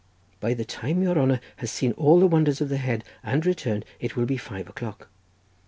By the time your honour has seen all the wonders of the Head and returned, it will be five o'clock.